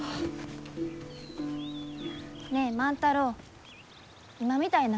ねえ万太郎今みたいながやめや。